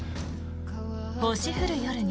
「星降る夜に」